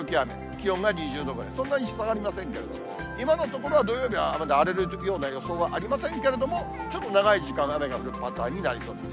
気温が２０度ぐらい、そんなに下がりませんけれども、今のところは土曜日、荒れるような予想はありませんけれども、ちょっと長い時間、雨が降るパターンになりそうです。